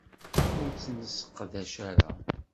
Ur tt-nesseqdac ara.